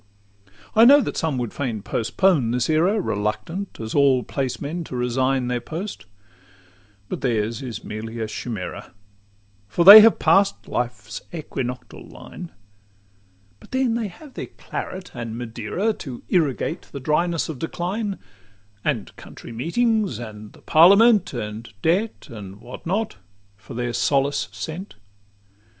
V I know that some would fain postpone this era, Reluctant as all placemen to resign Their post; but theirs is merely a chimera, For they have pass'd life's equinoctial line: But then they have their claret and Madeira To irrigate the dryness of decline; And county meetings, and the parliament, And debt, and what not, for their solace sent.